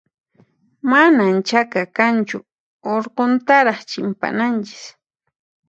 Manan chaka kanchu, urquntaraq chimpananchis.